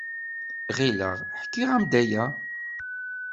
Ɣileɣ ḥkiɣ-am-d aya.